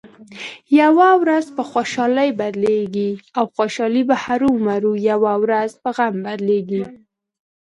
یوه ورځ په خوشحالۍ بدلېږي او خوشحالي به هرومرو یوه ورځ په غم بدلېږې.